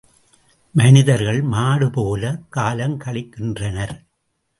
மனிதர்கள் மாடு போலக் காலங் கழிக்கின்றனர்.